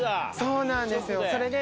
そうなんですよそれで。